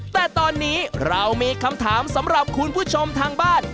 แต่ตอนนี้เรามีคำถามสำหรับคุณผู้ชมทางบ้าน